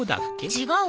違う！